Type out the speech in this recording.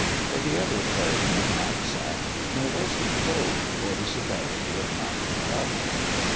For the other carried no knapsack, nor was he clothed for the severity of mountain travel.